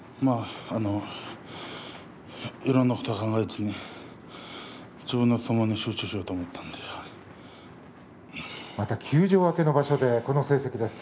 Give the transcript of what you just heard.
いろいろなことを考えずに自分の相撲に集中しようと思ったまた休場明けの場所でこの成績です。